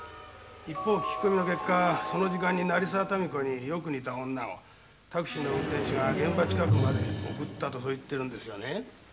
一方聞き込みの結果その時間に成沢民子によく似た女をタクシーの運転手が「現場近くまで送った」とそう言ってるんですがね。